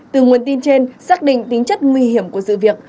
từ nguồn tin trên xác định tính chất nguy hiểm của sự việc